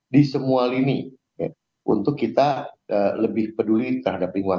di semua lini untuk kita lebih peduli terhadap lingkungan